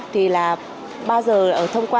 thì là ba giờ ở ngày xưa